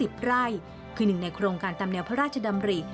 บนเนื้อที่๒๕๐รายคือนึงในโครงการร่วมผ่านตามแนวพระราชดำริ